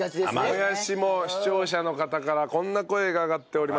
もやしも視聴者の方からこんな声が上がっております。